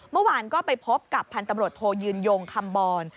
เมื่อวานก็ไปพบกับพันธุ์ตำรวจโทยืนยงคำบร